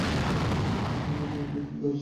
যেদিন উনি এলেন বৃষ্টি জাস্ট থেমে গেল।